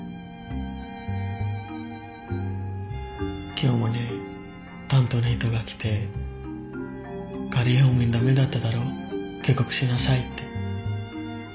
今日もね担当の人が来て「仮放免駄目だっただろう？帰国しなさい」って。